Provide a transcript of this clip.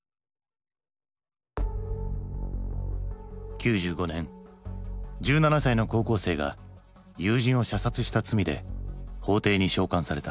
９５年１７歳の高校生が友人を射殺した罪で法廷に召喚された。